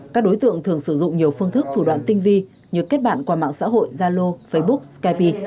các đối tượng thường sử dụng nhiều phương thức thủ đoạn tinh vi như kết bạn qua mạng xã hội zalo facebook skype